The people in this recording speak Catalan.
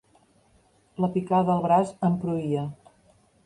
La picada al braç em pruïa.